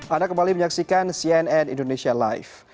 anda kembali menyaksikan cnn indonesia live